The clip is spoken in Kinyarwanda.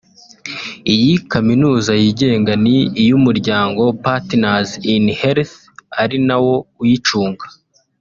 Iyi kaminuza yigenga ni iy’umuryango Partners In Health ari nawo uyicunga